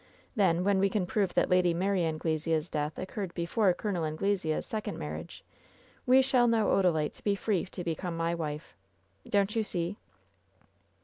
Then, when we can prove that Lady Mary Anglesea*s death occurred before Col. Anglesea*s second marriage, we shall know Odalite to be free to become my wife. Don*t you see